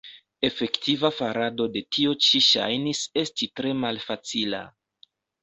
Efektiva farado de tio ĉi ŝajnis esti tre malfacila.